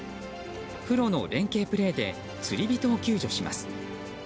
プロの連係プレーで釣り人を救助します。